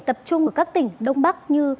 tập trung ở các tỉnh đông bắc như